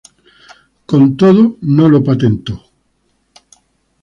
Con todo, no lo patentó.